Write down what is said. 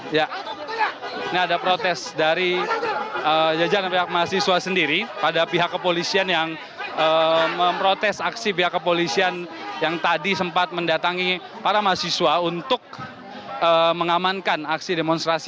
ya ini ada protes dari jajaran pihak mahasiswa sendiri pada pihak kepolisian yang memprotes aksi pihak kepolisian yang tadi sempat mendatangi para mahasiswa untuk mengamankan aksi demonstrasi